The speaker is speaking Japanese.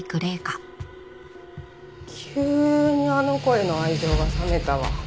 急にあの子への愛情が冷めたわ。